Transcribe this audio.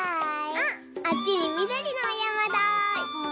あっあっちにみどりのおやまだ。